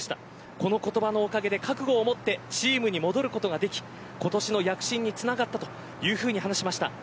この言葉のおかげで覚悟をもってチームに戻ることができ今年の躍進につながったと話していました。